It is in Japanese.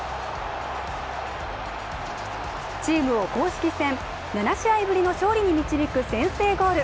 チームを公式戦７試合ぶりの勝利に導く先制ゴール。